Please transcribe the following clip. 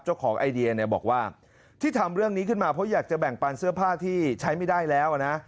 ไอเดียเนี่ยบอกว่าที่ทำเรื่องนี้ขึ้นมาเพราะอยากจะแบ่งปันเสื้อผ้าที่ใช้ไม่ได้แล้วนะ